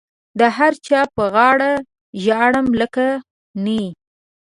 د هر چا پر غاړه ژاړم لکه نی.